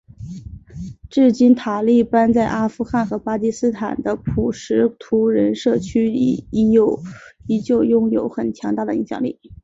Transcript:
至今塔利班在阿富汗和巴基斯坦的普什图人社区里依旧拥有很强大的影响力。